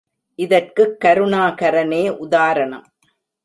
இதற்குக் கருணாகரனே உதாரணம்.